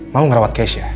mau ngerawat keisha